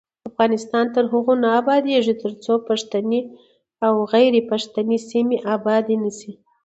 افغانستان تر هغو نه ابادیږي، ترڅو پښتني او غیر پښتني سیمې ابادې نشي.